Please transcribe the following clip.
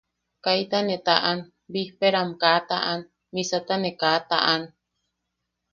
Kaita ne taʼan, bijpeeram kaa taʼan, misata ne kaa taʼan.